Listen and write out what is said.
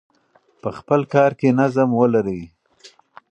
په خپل کار کې نظم ولرئ.